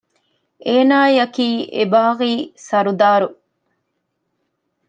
އޭނާއަކީ އެބާޣީ ސަރުދާރު